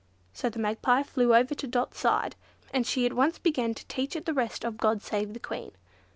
So the Magpie flew over to Dot's side, and she at once began to teach it the rest of "God save the Queen."